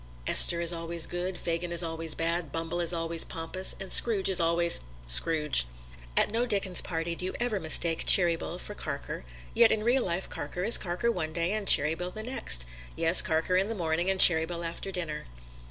Esther is always good, Fagin is always bad, Bumble is always pompous, and Scrooge is always Scrooge. At no Dickens' party do you ever mistake Cheeryble for Carker; yet in real life Carker is Carker one day and Cheeryble the next yes, Carker in the morning and Cheeryble after dinner.